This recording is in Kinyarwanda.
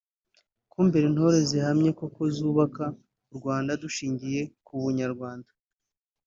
kumbera intore zihamye koko zubaka u Rwanda dushingiye ku bunyarwanda